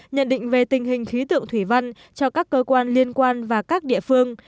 nhận định về tình hình khí tượng thủy văn cho các cơ quan liên quan và các địa phương